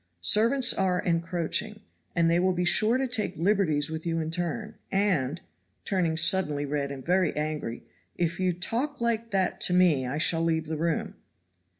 Servants are encroaching, and they will be sure to take liberties with you in turn; and," turning suddenly red and angry, "if you talk like that to me I shall leave the room."